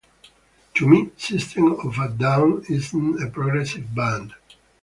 To me, System of a Down isn't a progressive band.